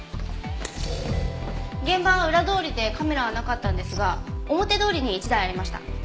現場は裏通りでカメラはなかったんですが表通りに１台ありました。